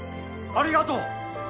ありがとう！